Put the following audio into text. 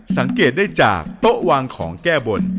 สังเกตได้จากโต๊ะวางของแก้บน